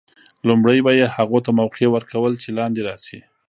لومړی به یې هغو ته موقع ور کول چې لاندې راشي.